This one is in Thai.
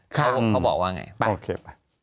เขาบอกว่าไงไป